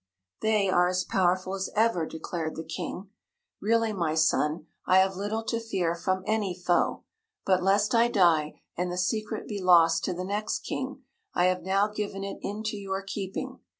"They are as powerful as ever," declared the King. "Really, my son, I have little to fear from any foe. But lest I die and the secret be lost to the next King, I have now given it into your keeping.